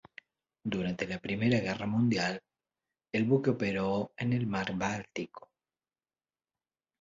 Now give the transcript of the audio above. Durante la Primera Guerra Mundial, el buque operó en el mar Báltico.